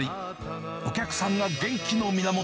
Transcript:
お客さんが元気の源。